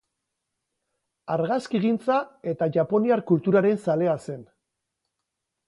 Argazkigintza eta japoniar kulturaren zalea zen.